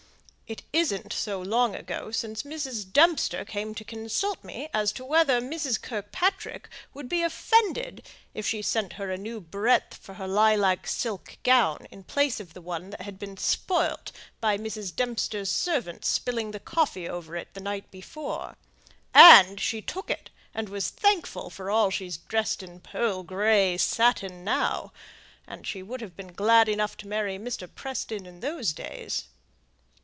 It isn't so long ago since Mrs. Dempster came to consult me as to whether Mrs. Kirkpatrick would be offended, if she sent her a new breadth for her lilac silk gown, in place of one that had been spoilt by Mrs. Dempster's servant spilling the coffee over it the night before; and she took it and was thankful, for all she's dressed in pearl grey satin now! And she would have been glad enough to marry Mr. Preston in those days."